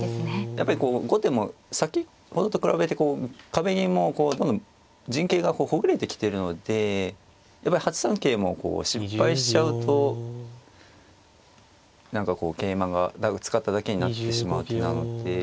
やっぱりこう後手も先ほどと比べてこう壁銀も多分陣形がほぐれてきてるのでやっぱり８三桂も失敗しちゃうと何かこう桂馬が使っただけになってしまう手なので。